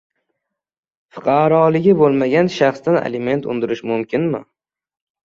«Fuqaroligi bo`lmagan shaxsdan aliment undirish mumkinmi?»